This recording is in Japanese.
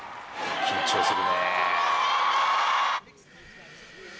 緊張するね。